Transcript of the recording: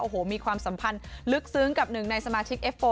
โอ้โหมีความสัมพันธ์ลึกซึ้งกับหนึ่งในสมาชิกเอฟโอ